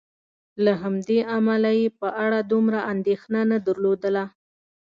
له همدې امله یې په اړه دومره اندېښنه نه درلودله.